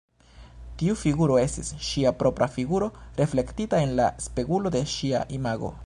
Tiu figuro estis ŝia propra figuro, reflektita en la spegulo de ŝia imago.